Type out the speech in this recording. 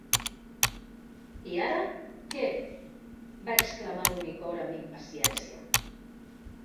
"I ara, què?", va exclamar l'Unicorn amb impaciència.